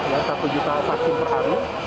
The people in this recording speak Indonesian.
ya satu juta vaksin per hari